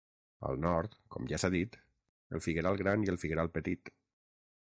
Al nord, com ja s'ha dit, el figueral Gran i el figueral Petit.